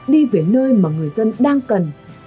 đi về nơi mà người dân đang cần